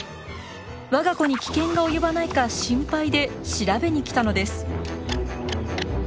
わが子に危険が及ばないか心配で調べに来たのです。